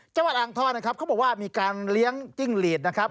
จังหวัดอ่างท่อนะครับเขาบอกว่ามีการเลี้ยงจิ้งหลีดนะครับ